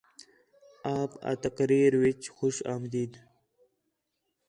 آپ آ تقریر وِچ خوش آمدید